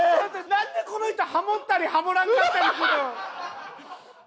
なんでこの人ハモったりハモらんかったりするん？